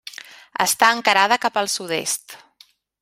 Està encarada cap al sud-est.